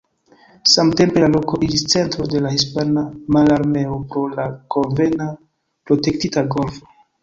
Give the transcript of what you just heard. Samtempe la loko iĝis centro de la hispana mararmeo pro la konvena protektita golfo.